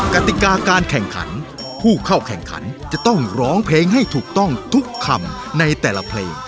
กติกาการแข่งขันผู้เข้าแข่งขันจะต้องร้องเพลงให้ถูกต้องทุกคำในแต่ละเพลง